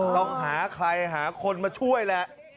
ต้องหาคนมาช่วยแล้ว